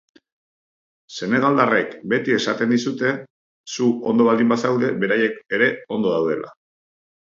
Senegaldarrek beti esaten dizute zu ondo baldin bazaude, beraiek ere ondo daudela.